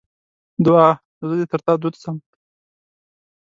دوعا: زه دې تر تا دود سم.